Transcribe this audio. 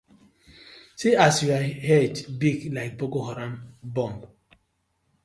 See as yu head big like Boko Haram bomb.